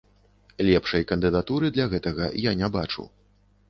Лепшай кандыдатуры для гэтага я не бачу.